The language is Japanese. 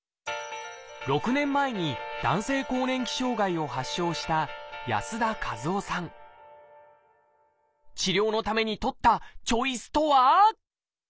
６年前に男性更年期障害を発症した治療のためにとったチョイスとは？